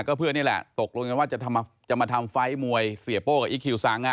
ก็เพื่อนนี่แหละตกลงกันว่าจะมาทำไฟล์มวยเสียโป้กับอีคิวสัง